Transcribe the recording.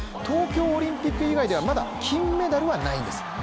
東京オリンピック以外ではまだ金メダルはないんです。